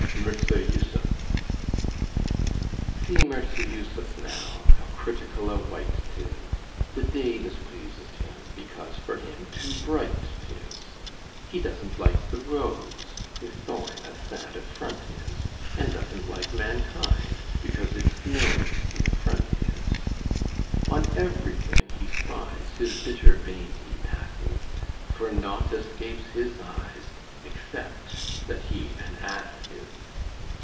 MIRZA JUSSUF See Mirza Jussuf now, How critical a wight 'tis! The day displeases him, Because for him too bright 'tis. He doesn't like the rose, Her thorn a sad affront is; And doesn't like mankind, Because its nose in front is. On ev'rything he spies His bitter bane he passes; For naught escapes his eyes, Except that he an ass is.